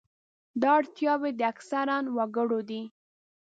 دا اړتیاوې د اکثرو وګړو دي.